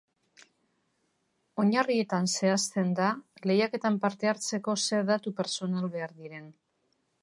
Oinarrietan zehazten da lehiaketan parte hartzeko zer datu pertsonal behar diren.